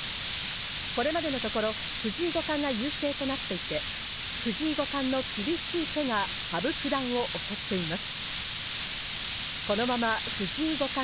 これまでのところ、藤井五冠が優勢となっていて、藤井五冠の厳しい手が羽生九段を襲っています。